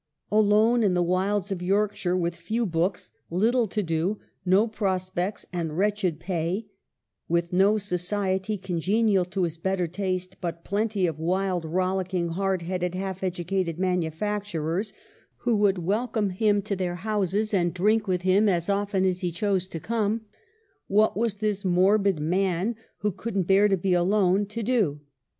Alone in the wilds of Yorkshire, with few books, little to do, no prospects, and wretched pay, with no society congenial to his better taste, but plenty of wild, rollicking, hard headed, half educated manufacturers, who would welcome him to their houses, and drink with him as often as he chose to come, what was this morbid man, who could n't bear to be alone, to do